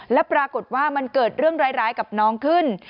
แล้วปรากฏว่ามันเกิดเรื่องร้ายกับน้องขึ้น